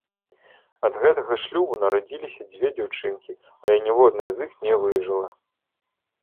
Ад гэтага шлюбу нарадзіліся дзве дзяўчынкі, але ніводная з іх не выжыла.